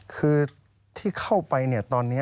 คือที่เข้าไปตอนนี้